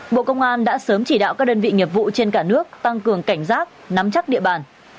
bộ công an đã sớm chỉ đạo các đơn vị nghiệp vụ trên cả nước tăng cường cảnh giác nắm chắc địa bàn